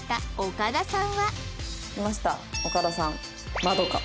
「岡田さん。